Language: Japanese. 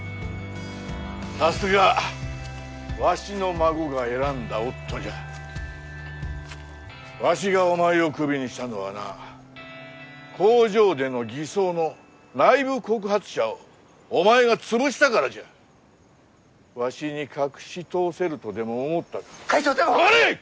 さすがわしの孫が選んだ夫じゃわしがお前をクビにしたのはな工場での偽装の内部告発者をお前が潰したからじゃわしに隠し通せるとでも思ったか会長でも黙れ！